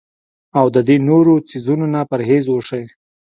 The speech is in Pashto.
او د دې نورو څيزونو نه پرهېز اوشي